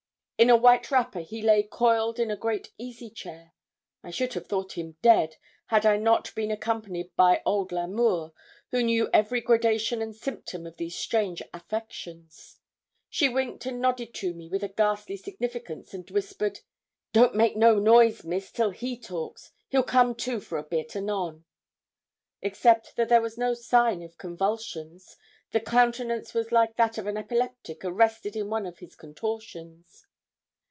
In a white wrapper, he lay coiled in a great easy chair. I should have thought him dead, had I not been accompanied by old L'Amour, who knew every gradation and symptom of these strange affections. She winked and nodded to me with a ghastly significance, and whispered 'Don't make no noise, miss, till he talks; he'll come to for a bit, anon.' Except that there was no sign of convulsions, the countenance was like that of an epileptic arrested in one of his contortions.